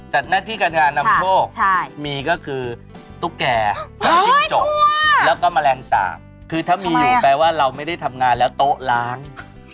หน้าที่การงานนำโชคมีก็คือตุ๊กแก่ทั้งจิ้งจกแล้วก็แมลงสาบคือถ้ามีอยู่แปลว่าเราไม่ได้ทำงานแล้วโต๊ะล้าง